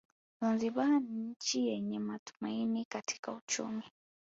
Zanzibar ni nchi yenye matumaini katika uchumi